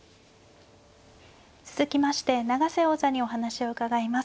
続きまして永瀬王座にお話を伺います。